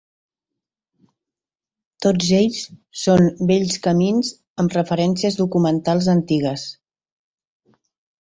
Tots ells són vells camins amb referències documentals antigues.